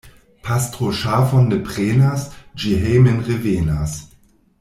Pastro ŝafon ne prenas, ĝi hejmen revenas.